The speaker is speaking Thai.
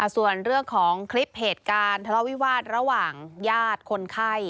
ส่วนเรื่องของคลิปเหตุการณ์ทะเลาะวิวาสระหว่างญาติคนไข้